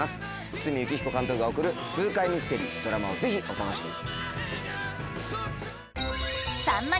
堤幸彦監督が送る痛快ミステリードラマをぜひお楽しみに。